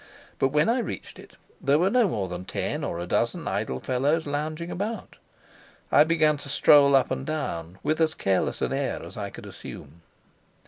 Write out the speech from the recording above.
But when I reached it there were no more than ten or a dozen idle fellows lounging about. I began to stroll up and down with as careless an air as I could assume.